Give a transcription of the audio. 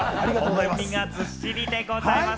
ずっしりでございます。